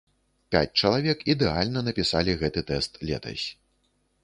Пяць чалавек ідэальна напісалі гэты тэст летась.